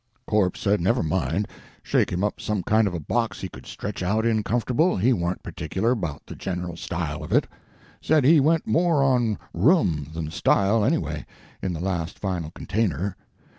Corpse said never mind, shake him up some kind of a box he could stretch out in comfortable, he warn't particular 'bout the general style of it. Said he went more on room than style, any way, in the last final container.